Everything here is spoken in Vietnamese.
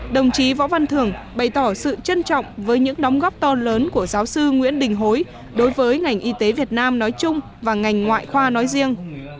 đồng chí võ văn thường bày tỏ sự trân trọng với những đóng góp to lớn của giáo sư nguyễn đình hối đối với ngành y tế việt nam nói chung và ngành ngoại khoa nói riêng